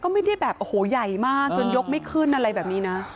ไม่ได้แบบโอ้โหใหญ่มากจนยกไม่ขึ้นอะไรแบบนี้นะ